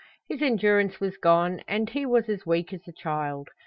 His endurance was gone and he was as weak as a child.